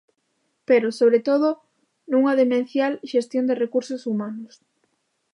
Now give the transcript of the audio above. Pero, sobre todo, nunha demencial xestión de recursos humanos.